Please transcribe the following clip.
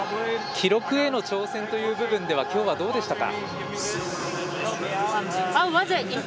記録への挑戦という部分ではきょうはどうでしたか？